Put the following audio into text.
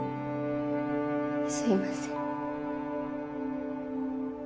すいません。